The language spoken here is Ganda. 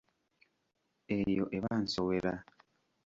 Eyo eba nsowera.